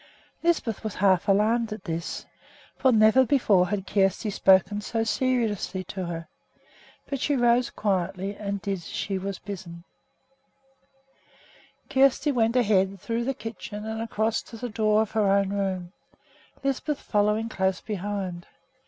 Lisbeth was half alarmed at this, for never before had Kjersti spoken so seriously to her; but she rose quietly and did as she was bidden. Kjersti went ahead, through the kitchen and across to the door of her own room, Lisbeth following close behind her.